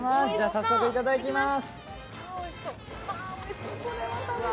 早速、いただきます。